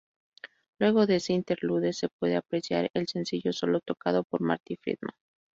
Luego de ese interlude se puede apreciar el sencillo solo tocado por Marty Friedman.